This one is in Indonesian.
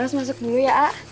masuk dulu ya ah